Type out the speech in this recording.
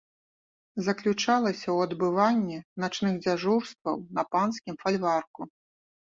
Заключалася ў адбыванні начных дзяжурстваў на панскім фальварку.